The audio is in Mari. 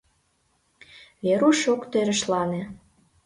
Веруш ок торешлане.